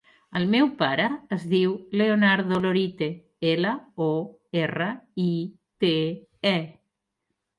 El meu pare es diu Leonardo Lorite: ela, o, erra, i, te, e.